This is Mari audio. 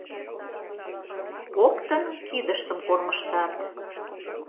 Коктын кидыштым кормыжтат.